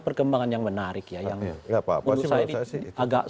perkembangan yang menarik ya yang